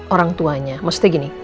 orang tuanya maksudnya gini